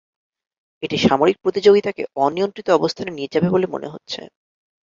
এটি সামরিক প্রতিযোগিতাকে অনিয়ন্ত্রিত অবস্থানে নিয়ে যাবে বলে মনে হচ্ছে।